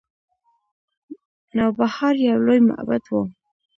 نوبهار یو لوی معبد و